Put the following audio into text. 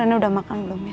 hai ramuda makan belum ya